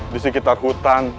di sekitar hutan